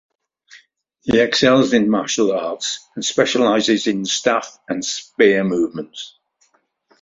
He excels in martial arts and specialises in staff and spear movements.